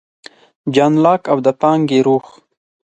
جان لاک او د پانګې روح